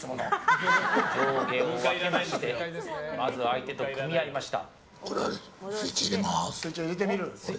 まずは相手と組み合いました。